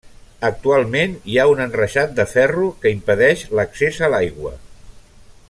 Actualment hi ha un enreixat de ferro que impedeix l'accés a l'aigua.